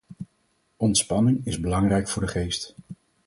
Ontspanning is belangrijk voor de geest